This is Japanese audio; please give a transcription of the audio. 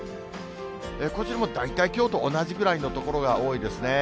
こちらも大体きょうと同じぐらいの所が多いですね。